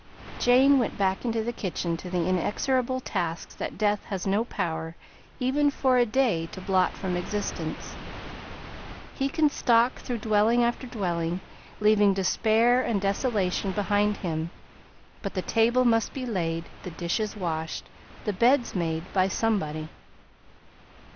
Jane went back into the kitchen to the inexorable tasks that death has no power, even for a day, to blot from existence. He can stalk through dwelling after dwelling, leaving despair and desolation behind him, but the table must be laid, the dishes washed, the beds made, by somebody.